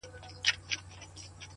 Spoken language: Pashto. او بېوفايي يې سمه لکه خور وگڼه